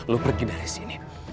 lu pergi dari sini